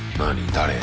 誰？